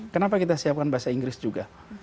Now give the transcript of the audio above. kenapa kita siapkan bahasa inggris juga